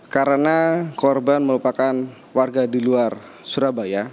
karena korban merupakan warga di luar surabaya